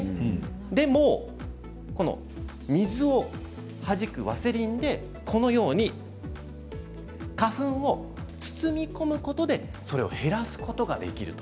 でも水をはじくワセリンでこのように花粉を包み込むことでそれを減らすことができる